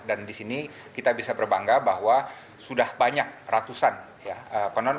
dan di sini kita bisa berbangga bahwa sudah banyak ratusan